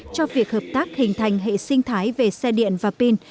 cho việc hợp tác hình thành hệ sinh thái về xe điện và pin